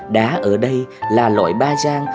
đá ở đây là loại ba giang